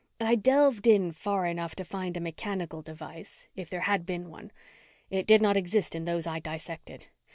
I delved in far enough to find a mechanical device, if there had been one. It did not exist in those I dissected.